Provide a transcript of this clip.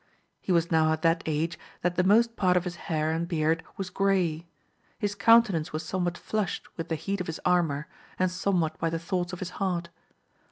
He was now at that age that the most part of his hair and beard was grey ; his countenance was somewhat flushed with AMADI8 OF GAUL. 165 the heat of his armour, and somewhat by the thoughts of his heart.